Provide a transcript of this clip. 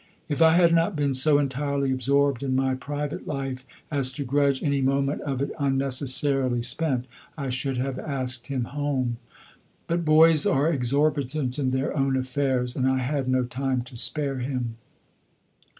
If I had not been so entirely absorbed in my private life as to grudge any moment of it unnecessarily spent I should have asked him home. But boys are exorbitant in their own affairs, and I had no time to spare him.